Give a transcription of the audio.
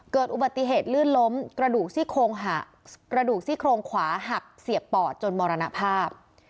เกิดอุบัติเหตุลื่นล้มกระดูกซี่โครงขวาหักเสียบปอดจนมรณภาพ